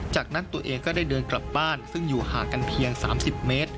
จากนั้นตัวเองก็ได้เดินกลับบ้านซึ่งอยู่ห่างกันเพียง๓๐เมตร